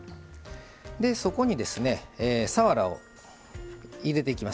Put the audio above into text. そこに、さわらを入れていきます。